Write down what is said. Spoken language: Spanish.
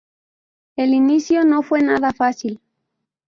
El inicio no fue nada fácil.